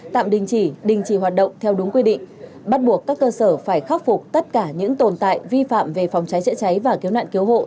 tạm đình chỉ đình chỉ hoạt động theo đúng quy định bắt buộc các cơ sở phải khắc phục tất cả những tồn tại vi phạm về phòng cháy chữa cháy và cứu nạn cứu hộ